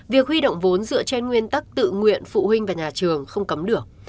việc huy động vốn dựa trên nguyên tắc tự nguyện phụ huynh và nhà trường không cấm được